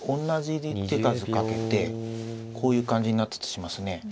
同じ手数かけてこういう感じになったとしますね